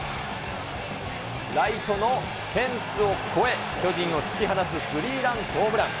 ライトのフェンスを越え、巨人を突き放すスリーランホームラン。